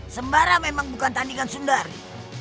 sembara memang bukan tandingan sundari